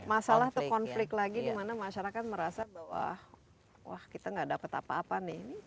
masalah atau konflik lagi di mana masyarakat merasa bahwa wah kita gak dapat apa apa nih